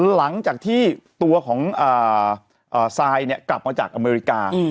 หลังจากที่ตัวของซายกลับมาจากอเมริกา